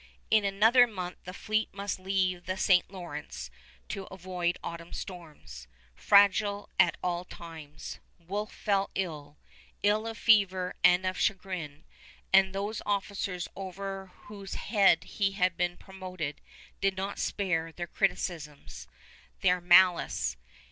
In another month the fleet must leave the St. Lawrence to avoid autumn storms. Fragile at all times, Wolfe fell ill, ill of fever and of chagrin, and those officers over whose head he had been promoted did not spare their criticisms, their malice.